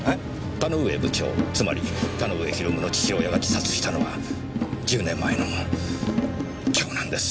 田ノ上部長つまり田ノ上啓の父親が自殺したのは１０年前の今日なんです。